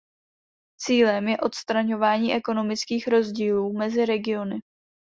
Cílem je odstraňování ekonomických rozdílů mezi regiony.